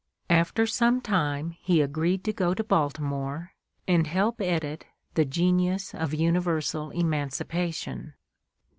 After some time he agreed to go to Baltimore, and help edit the "Genius of Universal Emancipation."